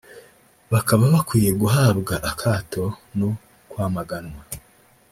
bakaba bakwiye guhabwa akato no kwamaganwa